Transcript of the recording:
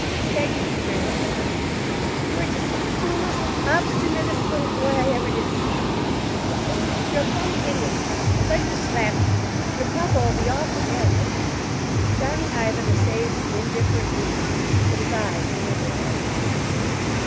Peggy grew very cross. "You are just the foolest, obsternatest little boy I ever did see," she grumbled; "you're a plumb idiot! I'd like to slap you! Your papa'll be awful mad." Johnny Ivan essayed an indifferent mien, but his eyes were miserable.